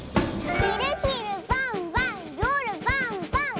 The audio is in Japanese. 「ひるひるばんばんよるばんばん！」